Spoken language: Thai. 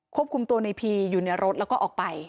ควบคุมตัวในพีอยู่ในรถแล้วก็ออกไป